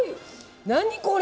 何これ。